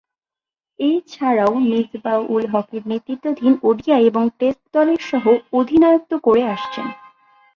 এছাড়াও, মিসবাহ-উল-হকের নেতৃত্বাধীন ওডিআই এবং টেস্ট দলের সহ-অধিনায়কত্ব করে আসছেন।